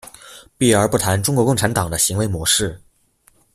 避而不談中國共產黨的行為模式